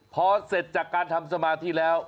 พอเสร็จจากการทำสมาธิแล้ว